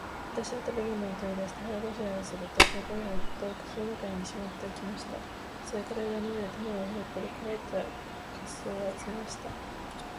私は食物を取り出して、腹ごしらえをすると、残りは洞穴の中にしまっておきました。それから岩の上で卵を拾ったり、乾いた枯草を集めました。